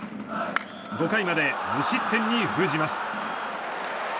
５回まで無失点に封じます。